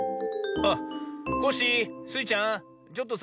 あっコッシースイちゃんちょっとさ